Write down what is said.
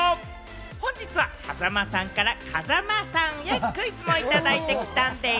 本日は間さんから風間さんへクイズもいただいてきたんでぃす。